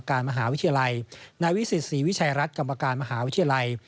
กรรมการสภาวิทยาลัย